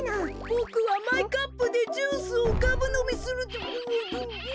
ボクはマイカップでジュースをがぶのみする。